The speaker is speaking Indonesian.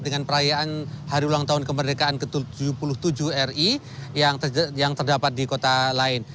dengan perayaan hari ulang tahun kemerdekaan ke tujuh puluh tujuh ri yang terdapat di kota lain